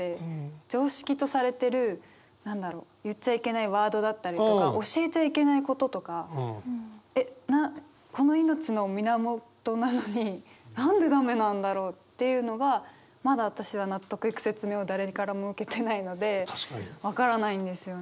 常識とされてる何だろう言っちゃいけないワードだったりとか教えちゃいけないこととかえっこの命の源なのになんでダメなんだろうっていうのがまだ私は納得いく説明を誰からも受けてないので分からないんですよね。